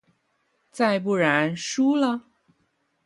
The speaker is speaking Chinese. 再不然输了？